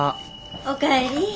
おかえり。